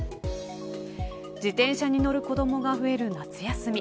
自転車に乗る子どもが増える夏休み。